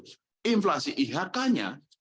jadi inflasi ihk nya